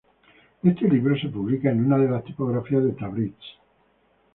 Este libro se publica en una de las tipografías de Tabriz.